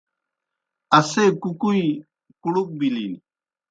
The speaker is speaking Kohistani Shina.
اسے کُکُوئیں کُڑُک بِلِن۔